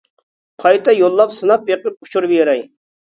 قايتا يوللاپ سىناپ بېقىپ ئۇچۇر بېرەي.